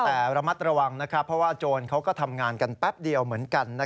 แต่ระมัดระวังเพราะว่าโจรเขาก็ทำงานกันแป๊บเดียวเหมือนกัน